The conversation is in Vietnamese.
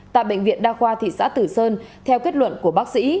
tại bệnh viện đa khoa thị xã tử sơn theo kết luận của bác sĩ